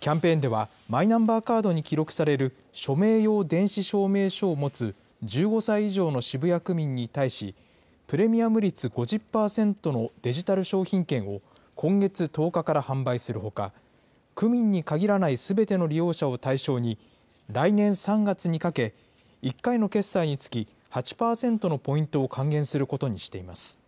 キャンペーンでは、マイナンバーカードに記録される署名用電子証明書を持つ１５歳以上の渋谷区民に対し、プレミアム率５０％のデジタル商品券を、今月１０日から販売するほか、区民に限らないすべての利用者を対象に、来年３月にかけ、１回の決済につき、８％のポイントを還元することにしています。